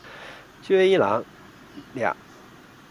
阆音两。